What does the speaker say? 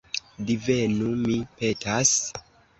Divenu, mi petas.